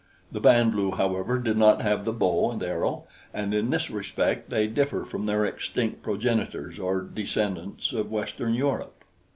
The Band lu, however, did not have the bow and arrow, and in this respect they differ from their extinct progenitors, or descendants, of Western Europe.